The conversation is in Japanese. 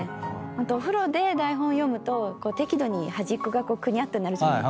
お風呂で台本読むと適度に端っこがくにゃっとなるじゃないですか。